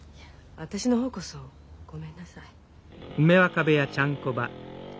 私の方こそごめんなさい。